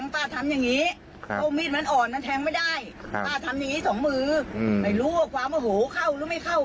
ป้าทำอย่างงี้สองมือไม่รู้ว่าความโอโหเข้าหรือไม่เข้า